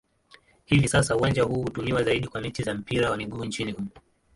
Hivi sasa uwanja huu hutumiwa zaidi kwa mechi za mpira wa miguu nchini humo.